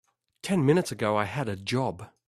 Ten minutes ago I had a job.